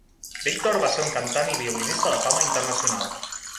Victor va ser un cantant i violinista de fama internacional.